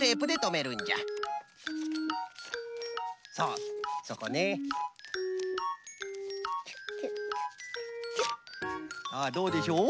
さあどうでしょう？